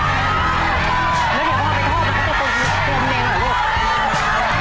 เพื่อนเมงหน่ะลูก